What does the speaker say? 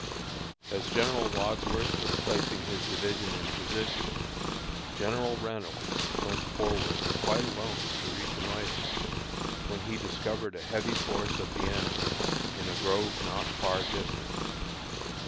As General Wadsworth was placing his division in position, General Reynolds went forward quite alone to reconnoitre, when he discovered a heavy force of the enemy in a grove not far distant.